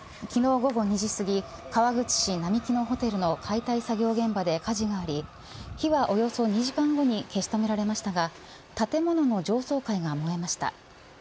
昨日午後２時すぎ川口市並木のホテルの解体作業現場で火事があり火はおよそ２時間後に消し止められましたが建物の上層階が燃えました。